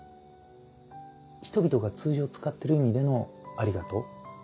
人々が通常使ってる意味での「ありがとう」？